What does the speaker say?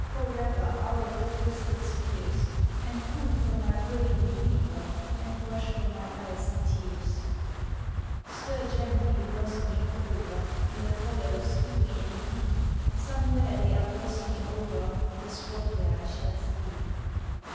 forever, Out of the crystal spheres, And cool from my brain the fever, And wash from my eyes the tears Stir gently the blossoming clover, In the hollows dewy and deep, Somewhere they are blossoming over The spot where I shall sleep.